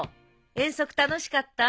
遠足楽しかった？